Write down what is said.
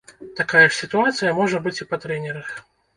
Такая ж сітуацыя можа быць і па трэнерах.